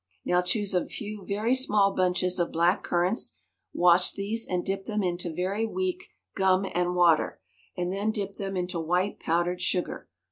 Now choose a few very small bunches of black currants, wash these and dip them into very weak gum and water, and then dip them into white powdered sugar.